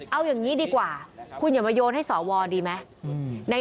เอาอย่างนี้ดีกว่าคุณอย่ามาโยนให้สวดีไหม